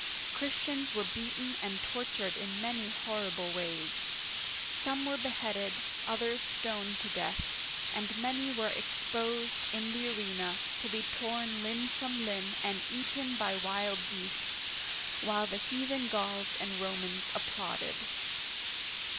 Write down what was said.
Christians were beaten and tortured in many horrible ways. Some were beheaded, others stoned to death, and many were ex posed in the arena, to be torn limb from limb and eaten by wild beasts, while the heathen Gauls and Romans applauded.